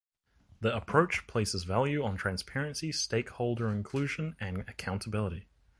The approach places value on transparency, stakeholder inclusion, and accountability.